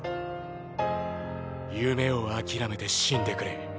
夢を諦めて死んでくれ。